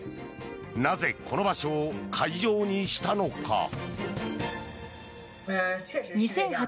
なぜ、この場所を会場にしたのか。